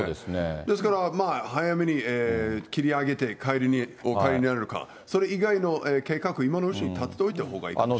ですから早めに切り上げてお帰りになるか、それ以外の計画、今のうちに立てといたほうがいいですね。